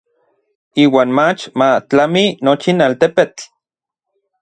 Iuan mach ma tlami nochin altepetl.